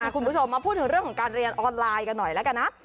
คุณผู้ชมมาพูดถึงเรื่องของการเรียนออนไลน์กันหน่อยแล้วกันนะ